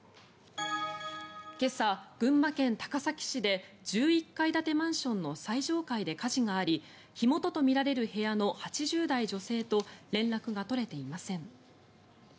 今朝、群馬県高崎市で１１階建てマンションの最上階で火事があり火元とみられる部屋の８０代女性と連絡が取れていません。